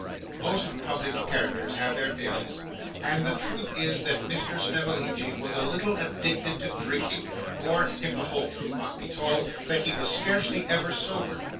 Most public characters have their failings; and the truth is that Mr Snevellicci was a little addicted to drinking; or, if the whole truth must be told, that he was scarcely ever sober.